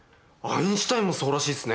アインシュタインもそうらしいっすね。